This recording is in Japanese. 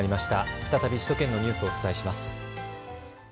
再び首都圏のニュースをお伝えします。